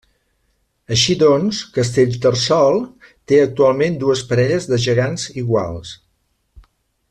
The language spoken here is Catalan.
Així doncs, Castellterçol té actualment dues parelles de gegants iguals.